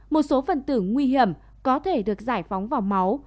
một số phần tử nguy hiểm có thể được giải phóng vào máu